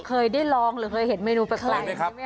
เคยได้ลองหรือเห็นเมนูแบบไหน